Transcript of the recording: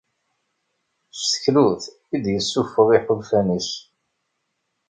S teklut i d-yessufeɣ iḥulfan-is.